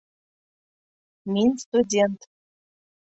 Мин студент